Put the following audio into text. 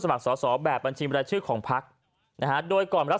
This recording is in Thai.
สอสอแบบบัญชีบรายชื่อของพักนะฮะโดยก่อนรับ